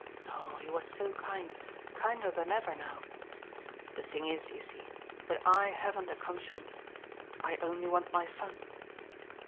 Oh he was so kind kinder than ever now. "The thing is, you see, that I haven't a conscience. I only want my fun."